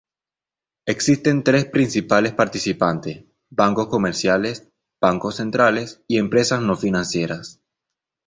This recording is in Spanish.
Existen tres principales participantes: Bancos comerciales, bancos centrales y empresas no financieras.